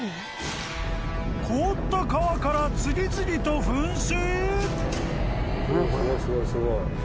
［凍った川から次々と噴水！？］